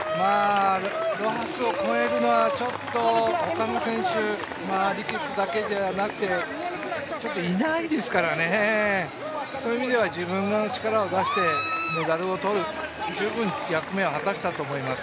ロハスを超えるのはちょっと他の選手、リケッツだけではなくてちょっといないですからね、そういう意味では自分の力を出してメダルを取る、十分役目を果たしたと思います。